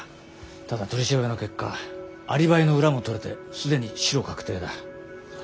ただ取り調べの結果アリバイの裏も取れて既にシロ確定だ。